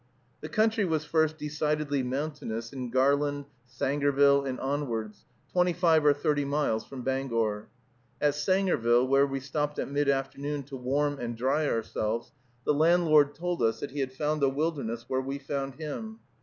The country was first decidedly mountainous in Garland, Sangerville, and onwards, twenty five or thirty miles from Bangor. At Sangerville, where we stopped at mid afternoon to warm and dry ourselves, the landlord told us that he had found a wilderness where we found him.